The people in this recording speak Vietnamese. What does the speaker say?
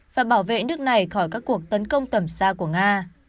và bảo vệ nước này khỏi các cuộc tấn công tầm xa của nga